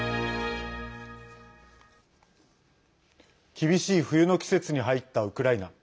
厳しい冬の季節に入ったウクライナ。